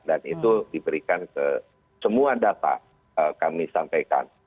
dan itu diberikan ke semua data kami sampaikan